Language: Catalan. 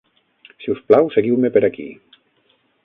Si us plau, seguiu-me per aquí.